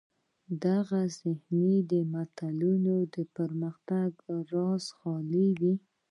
دا ذهنونه د ملتونو پرمختګ رازه خالي وي.